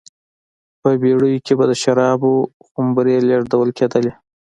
په بېړیو کې به د شرابو خُمرې لېږدول کېدلې